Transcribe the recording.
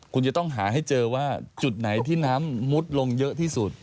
คุณจะต้องหาให้เจอว่าจุดไหนที่น้ำมุดลงเยอะที่สุด